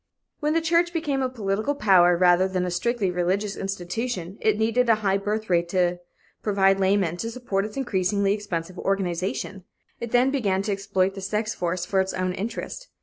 When the church became a political power rather than a strictly religious institution, it needed a high birth rate to provide laymen to support its increasingly expensive organization. It then began to exploit the sex force for its own interest.